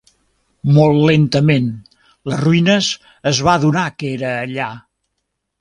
Molt lentament, les ruïnes es va adonar que era allà.